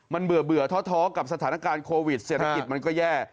มันเบื่อท้อกับสถานการณ์โควิดเศรษฐกิจมันก็แย่